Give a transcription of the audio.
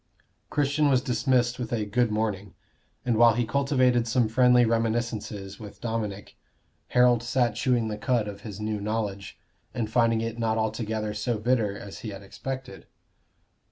Christian was dismissed with a "good morning"; and while he cultivated some friendly reminiscences with Dominic, Harold sat chewing the cud of his new knowledge, and finding it not altogether so bitter as he had expected.